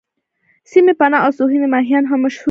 سسي پنو او سوهني ماهيوال هم مشهور دي.